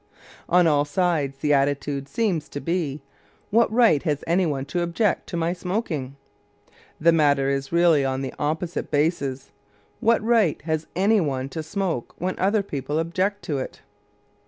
On all sides the attitude seems to be, "What right has any one to object to my smoking?" The matter is really on just the opposite basis, "What right has any one to smoke when other people object to it?"